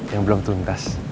yang belum tuntas